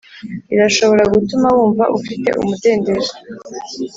irashobora gutuma wumva ufite umudendezo.